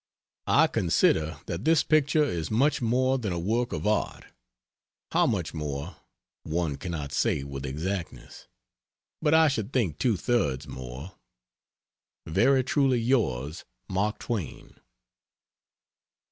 I consider that this picture is much more than a work of art. How much more, one cannot say with exactness, but I should think two thirds more. Very truly yours MARK TWAIN.